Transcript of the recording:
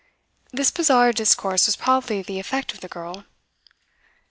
This bizarre discourse was probably the effect of the girl.